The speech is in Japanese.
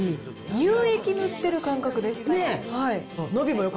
乳液塗ってる感覚です。